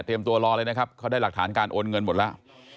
ตัวรอเลยนะครับเขาได้หลักฐานการโอนเงินหมดแล้ว